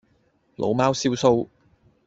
老貓燒鬚